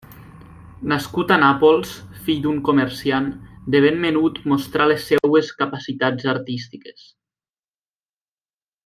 Nascut a Nàpols, fill d'un comerciant, de ben menut mostrà les seues capacitats artístiques.